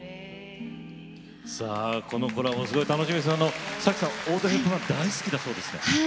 このコラボすごく楽しみですが咲妃さんオードリー・ヘップバーン大好きだそうですが。